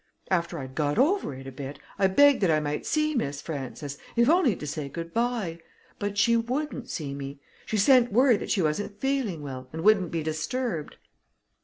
After I'd got over it a bit, I begged that I might see Miss Frances, if only to say good by; but she wouldn't see me. She sent word that she wasn't feeling well, and wouldn't be disturbed."